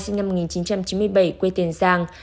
sinh năm một nghìn chín trăm chín mươi bảy quê tiền giang